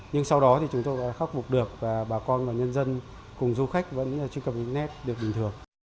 nhưng sau đó chúng tôi đã khắc phục được và bà con và nhân dân cùng du khách vẫn truy cập internet được bình thường